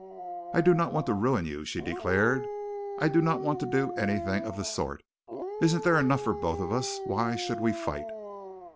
"I do not want to ruin you," she declared. "I do not want to do anything of the sort. Isn't there enough for both of us? Why should we fight?"